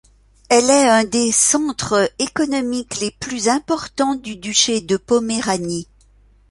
Elle est un des centres économiques les plus importants du duché de Poméranie.